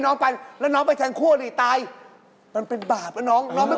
น้องน้องจัดเย็นนะน้องต้นสติ